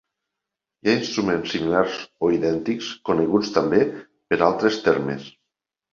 Hi ha instruments similars o idèntics coneguts també per altres termes.